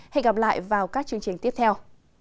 hẹn gặp lại vào các chương trình tiếp theo